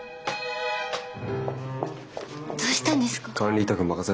どうしたんですか？